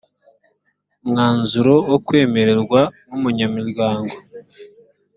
umwanzuro wo kwemererwa nk’umunyamuryango